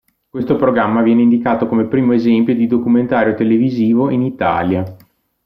Questo programma viene indicato come primo esempio di documentario televisivo in Italia.